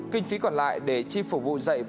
kinh phí còn lại để chi phục vụ dạy